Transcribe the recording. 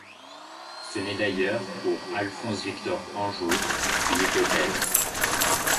Ce n'est d'ailleurs pour Alphonse-Victor Angot qu'une hypothèse.